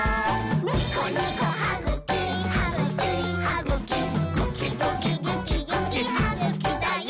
「ニコニコはぐきはぐきはぐきぐきぐきぐきぐきはぐきだよ！」